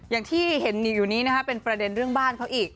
อย่างที่เห็นอยู่นี้นะคะเป็นประเด็นเรื่องบ้านเขาอีก